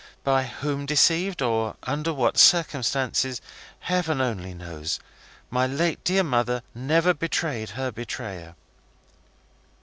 By whom deceived, or under what circumstances, Heaven only knows. My late dear mother never betrayed her betrayer."